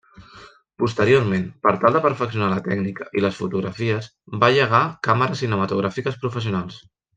Posteriorment, per tal de perfeccionar la tècnica i les fotografies va llegar càmeres cinematogràfiques professionals.